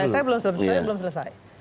saya belum selesai